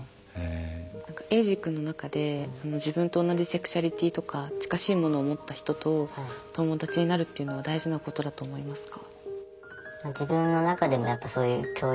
エイジ君の中で自分と同じセクシュアリティーとか近しいものを持った人と友達になるっていうのは大事なことだと思いますか？